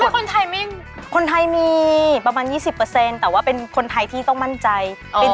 คือคนไทยคนไทยมีประมาณ๒๐แต่ว่าเป็นคนไทยที่ต้องมั่นใจ